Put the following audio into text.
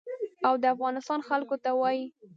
او د افغانستان خلکو ته وايي.